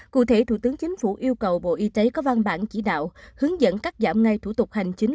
cụ thể thủ tướng chính phủ yêu cầu bộ y tế có văn bản chỉ đạo hướng dẫn cắt giảm ngay thủ tục hành chính